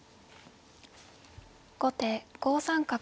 後手５三角。